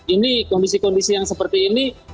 ini kondisi kondisi yang seperti ini